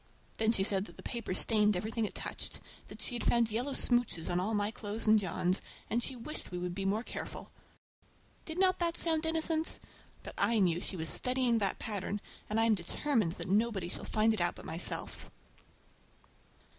Then she said that the paper stained everything it touched, that she had found yellow smooches on all my clothes and John's, and she wished we would be more careful! Did not that sound innocent? But I know she was studying that pattern, and I am determined that nobody shall find it out but myself!